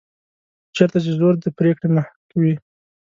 چېرته چې زور د پرېکړې محک وي.